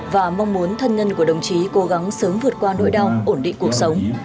và mong muốn thân nhân của đồng chí cố gắng sớm vượt qua nỗi đau ổn định cuộc sống